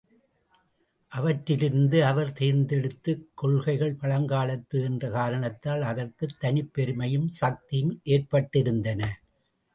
அவற்றிலிருந்து அவர் தேர்ந்தெடுத்தக் கொள்கைகள் பழங்காலத்து என்ற காரணத்தால், அதற்குத் தனிப்பெருமையும், சக்தியும் ஏற்பட்டிருந்தன.